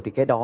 thì cái đó